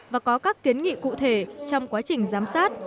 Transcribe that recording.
và có các kiến nghị cụ thể trong quá trình giám sát